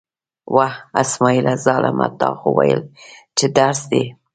وه! اسمعیله ظالمه، تا خو ویل چې درس دی.